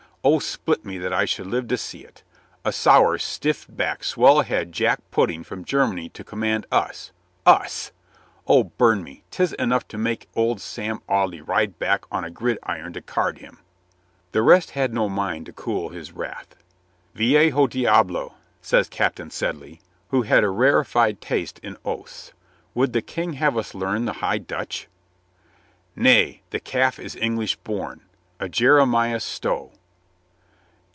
O split me that I should live to see it! A sour, stiff backed, swell head jack pudding from Germany to command us — us! O burn me, 'tis enough to make old Sam Audley ride back on a gridiron to card him !" The rest had no mind to cool his wrath. "Vie jo diablo" says Captain Sedley, who had a rarefied taste in oaths, "would the King have us learn the high Dutch?'" "Nay; the calf is English born. A Jeremiah Stow."